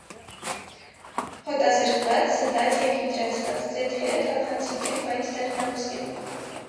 Հոտազրկած, զտած և հիդրատացված ձեթերը թափանցիկ են, բաց դեղնաոսկեգույն։